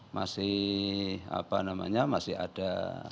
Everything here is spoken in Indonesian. masih apa namanya masih ada